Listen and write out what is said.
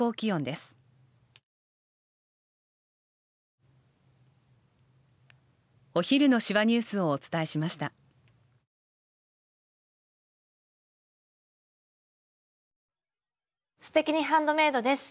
「すてきにハンドメイド」です。